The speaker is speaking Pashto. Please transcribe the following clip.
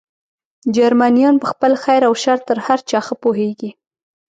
جرمنیان په خپل خیر او شر تر هر چا ښه پوهېږي.